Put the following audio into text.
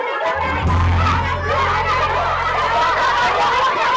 udah biarin aja